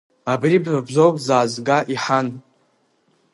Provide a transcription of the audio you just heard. Абри ба бзоуп дзаазга, иҳан…